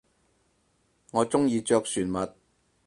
我中意着船襪